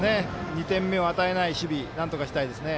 ２点目を与えない守備なんとかしたいですね。